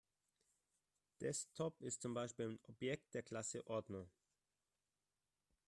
Desktop ist zum Beispiel ein Objekt der Klasse Ordner.